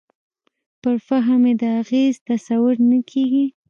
پر فهم یې د اغېز تصور نه کېږي.